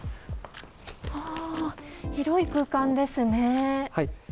広い空間ですね。